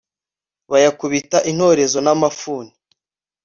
bayakubita intorezo n'amafuni